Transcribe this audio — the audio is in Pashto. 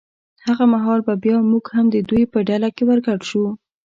هغه مهال به بیا موږ هم د دوی په ډله کې ور ګډ شو.